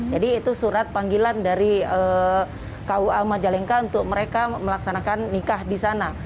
jadi itu surat panggilan dari kua majalengka untuk mereka melaksanakan nikah di sana